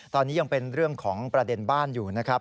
ตอนนี้ยังเป็นเรื่องของประเด็นบ้านอยู่นะครับ